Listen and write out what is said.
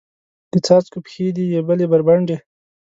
د څاڅکو پښې دي یبلې بربنډې